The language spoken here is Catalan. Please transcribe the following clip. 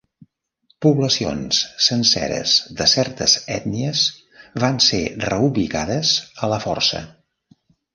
Poblacions senceres de certes ètnies van ser reubicades a la força.